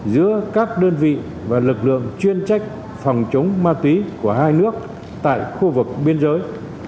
giữa các đơn vị và lực lượng chuyên trách phòng chống ma túy của hai nước tại khu vực biên giới